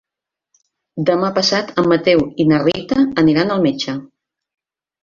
Demà passat en Mateu i na Rita aniran al metge.